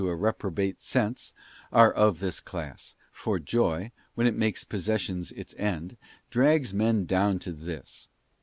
253 a reprobate sense,'* are of this class, for joy, when it makes possessions its end, drags men down to this.